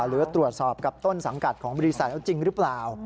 หรือตรวจสอบกับต้นสังกัดของบริษัทเอาจริงหรือเปล่า